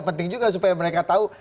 penting juga supaya mereka tahu